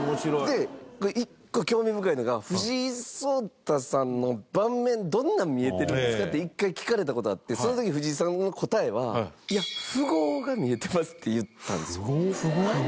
で一個興味深いのが「藤井聡太さんの盤面どんなん見えてるんですか」って一回聞かれた事あってその時藤井さんの答えは「いや符号が見えてます」って言ったんですよ。